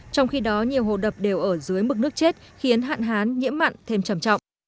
trong khi đó nhiều hồ đập đều ở dưới mực nước chết khiến hạn hán nhiễm mặn thêm trầm trọng